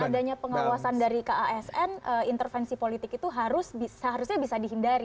adanya pengawasan dari kasn intervensi politik itu harusnya bisa dihindari